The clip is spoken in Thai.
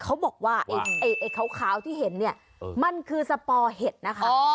เขาบอกว่าไอ้ขาวที่เห็นเนี่ยมันคือสปอเห็ดนะคะ